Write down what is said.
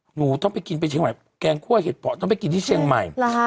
หนูต้องไปกินไปเชียงใหม่แกงคั่วเห็ดเพาะต้องไปกินที่เชียงใหม่